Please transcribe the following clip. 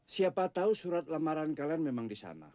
siapa tahu surat lamaran kalian memang di sana